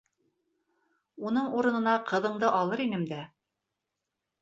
Уның урынына ҡыҙыңды алыр инем дә...